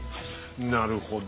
なるほど。